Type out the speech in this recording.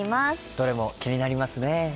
どれも気になりますね。